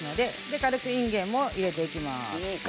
軽くいんげんも入れていきます。